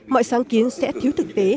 mọi sáng kiến sẽ thiếu thực tế